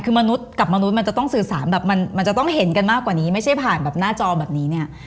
คือมนุษย์กับมนุษย์มันจะต้องสื่อสารแบบมันจะต้องเห็นกันมากกว่านี้ไม่ใช่ผ่านแบบหน้าจอแบบนี้เนี่ย